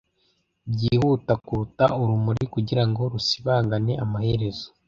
Byihuta kuruta urumuri kugirango rusibangane amaherezo